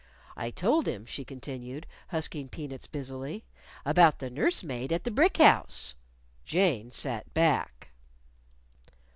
"I told him," she continued, husking peanuts busily, "about the nurse maid at the brick house." Jane sat back.